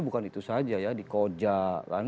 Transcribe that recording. bukan itu saja ya dikojakan